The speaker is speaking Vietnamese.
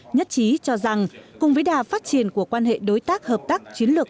nhất trí cho rằng cùng với đà phát triển của quan hệ đối tác hợp tác chiến lược